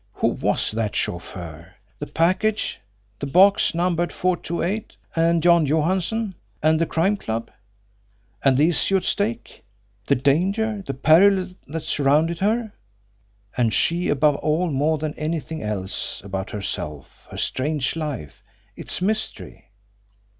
Who was the chauffeur? The package, the box numbered 428, and John Johansson? And the Crime Club? And the issue at stake? The danger, the peril that surrounded her? And she above all more than anything else about herself her strange life, its mystery?